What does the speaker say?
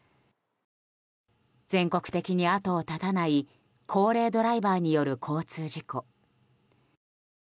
全国的に後を絶たない高齢ドライバーによる交通事故。